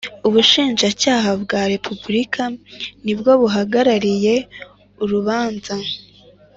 Ubushinjacyaha bwa Repubulika nibwo buhagarariye urubanza